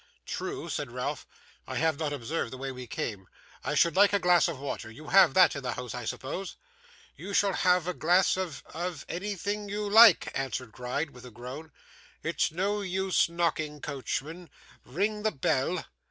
'True,' said Ralph 'I have not observed the way we came. I should like a glass of water. You have that in the house, I suppose?' 'You shall have a glass of of anything you like,' answered Gride, with a groan. 'It's no use knocking, coachman. Ring the bell!